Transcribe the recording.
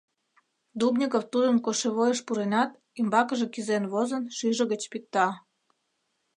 Дубников тудын кошевойыш пуренат, ӱмбакыже кӱзен возын, шӱйжӧ гыч пикта.